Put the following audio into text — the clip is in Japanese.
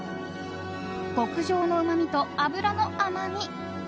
極上のうまみと脂の甘み。